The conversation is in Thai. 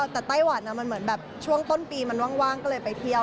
แต่ไต้หวันมันเหมือนแบบช่วงต้นปีมันว่างก็เลยไปเที่ยว